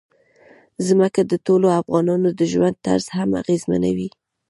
ځمکه د ټولو افغانانو د ژوند طرز هم اغېزمنوي.